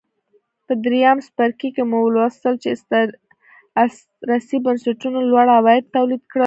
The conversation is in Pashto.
په درېیم څپرکي کې مو ولوستل چې استثري بنسټونو لوړ عواید تولید کړل